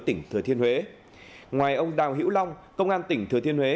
tỉnh thừa thiên huế ngoài ông đào hữu long công an tỉnh thừa thiên huế